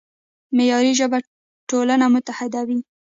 معیاري ژبه ټولنه متحدوي.